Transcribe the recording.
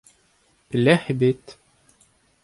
Pelec'h eo bet ?